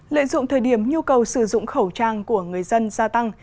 lợi dụng thời điểm nhu cầu sử dụng khẩu trang của người dân gia tăng